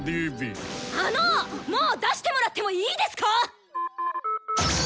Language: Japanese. あのッもう出してもらってもいいですか